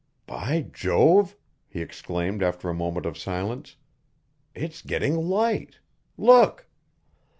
"By Jove," he exclaimed after a moment of silence, "it's getting light! Look!"